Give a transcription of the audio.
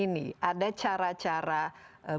satu hard satu soft